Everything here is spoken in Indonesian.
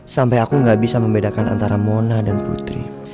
sampai aku gak bisa membedakan antara mona dan putri